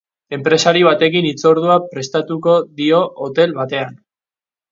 Enpresari batekin hitzordua prestatuko dio hotel batean.